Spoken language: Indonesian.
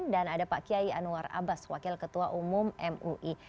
dan ada pak kiai anwar abbas wakil ketua umum mui